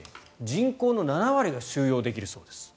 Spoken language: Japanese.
人口の７割が収容できるそうです。